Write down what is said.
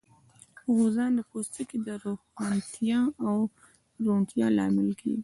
غوزان د پوستکي د روښانتیا او روڼتیا لامل کېږي.